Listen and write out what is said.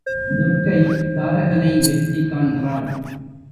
துர்க்கை தாரகனை வெற்றி காண்கிறாள்.